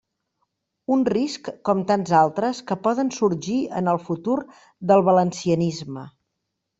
Un risc com tants altres que poden sorgir en el futur del valencianisme.